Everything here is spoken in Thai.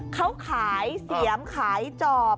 เขาขายเสียมขายจอบ